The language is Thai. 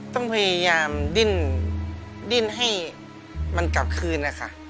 ต้องพยายามดิ้นให้มันกลับคืนนะคะ